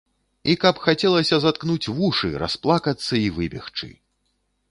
І каб хацелася заткнуць вушы, расплакацца і выбегчы!